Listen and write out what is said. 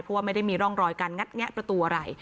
เพราะว่าไม่ได้มีร่องรอยการงัดแงะประตูอะไร